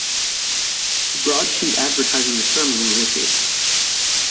A broadsheet advertising the sermon was issued.